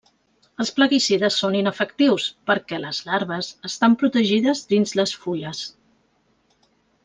Els plaguicides són inefectius perquè les larves estan protegides dins les fulles.